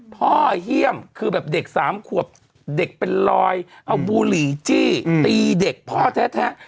เยี่ยมคือแบบเด็กสามขวบเด็กเป็นรอยเอาบุหรี่จี้ตีเด็กพ่อแท้